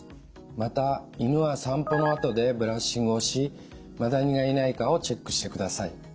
また犬は散歩のあとでブラッシングをしマダニがいないかをチェックしてください。